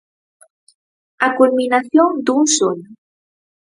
A culminación dun soño.